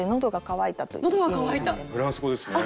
フランス語ですね。